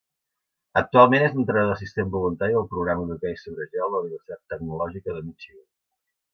Actualment és entrenador assistent voluntari del programa d'hoquei sobre gel de la universitat tecnològica de Michigan.